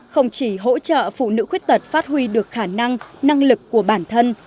không chỉ hỗ trợ phụ nữ khuyết tật phát huy được khả năng năng lực của bản thân